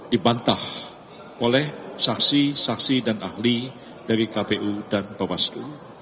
dibantah oleh saksi saksi dan ahli dari kpu dan bawaslu